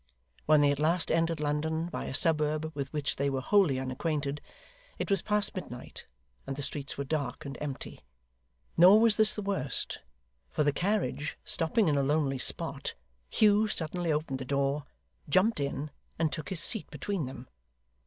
When they at last entered London, by a suburb with which they were wholly unacquainted, it was past midnight, and the streets were dark and empty. Nor was this the worst, for the carriage stopping in a lonely spot, Hugh suddenly opened the door, jumped in, and took his seat between them.